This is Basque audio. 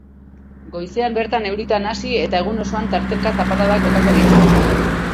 Goizean bertan euritan hasi eta egun osoan tarteka zaparradak botako ditu.